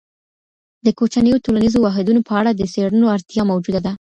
د کوچنیو ټولنیزو واحدونو په اړه د څیړنو اړتیا موجوده ده.